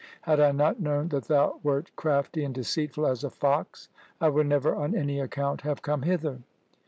Had I not known that thou wert crafty and deceitful as a fox, I would never on any account have come hither.